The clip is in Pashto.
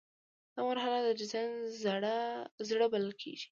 دا مرحله د ډیزاین زړه بلل کیږي.